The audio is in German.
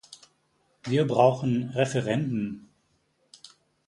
Wir brauchen Referenden.